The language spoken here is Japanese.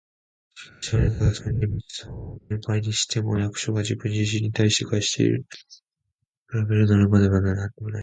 「しかし、あなたがその厳密さを千倍にしても、役所が自分自身に対して課している厳密さに比べるなら、まだまだなんでもないものです。